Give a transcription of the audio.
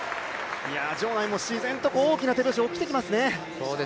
場内も自然と大きな手拍子が起きますね。